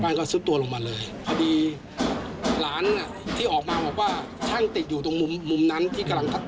เราซุดตัวลงมาเลยพอดีหลานอ่ะที่ออกมาบอกว่าช่างติดอยู่ตรงมุมมุมนั้นที่กำลังทัก